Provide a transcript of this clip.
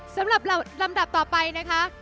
สำหรับลำดับต่อไปนะคะ